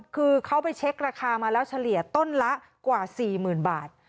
คือเขาไปเช็คราคามาแล้วเฉลี่ยต้นละกว่า๔๐๐๐บาท